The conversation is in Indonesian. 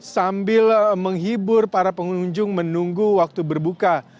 sambil menghibur para pengunjung menunggu waktu berbuka